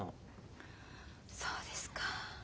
そうですか。